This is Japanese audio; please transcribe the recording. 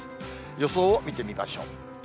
予想を見てみましょう。